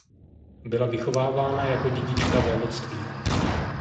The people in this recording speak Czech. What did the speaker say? Byla vychovávána jako dědička vévodství.